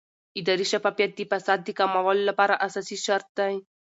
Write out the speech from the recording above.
اداري شفافیت د فساد د کمولو لپاره اساسي شرط دی